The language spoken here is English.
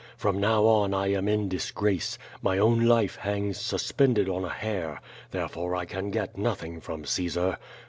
From now on I am in dis grace. My own life hangs suspended on a hair, therefore I can get nothing from Caesar.